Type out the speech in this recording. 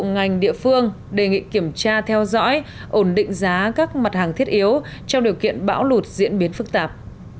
ngành địa phương đề nghị kiểm tra theo dõi ổn định giá các mặt hàng thiết yếu trong điều kiện bão lụt diễn biến phức tạp